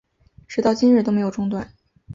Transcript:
直到今日都没有中断